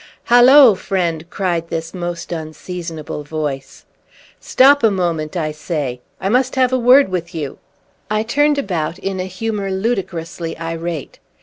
"Halloo, friend!" cried this most unseasonable voice. "Stop a moment, I say! I must have a word with you!" I turned about, in a humor ludicrously irate.